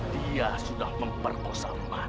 dia sudah memperkosa marni